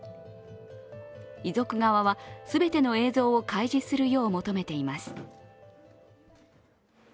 遺族側は全ての映像を開示するよう求めています。